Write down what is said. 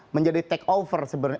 menjadi take over sebenarnya